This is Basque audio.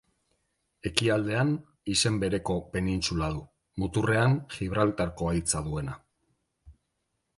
Ekialdean izen bereko penintsula du, muturrean Gibraltarko haitza duena.